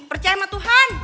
percaya sama tuhan